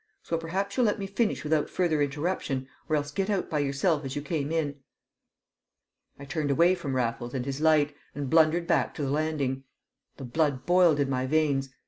So perhaps you'll let me finish without further interruption, or else get out by yourself as you came in." I turned away from Raffles and his light, and blundered back to the landing. The blood boiled in my veins.